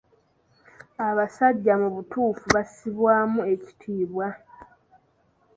Abasajja mu butuufu bassibwamu ekitiibwa.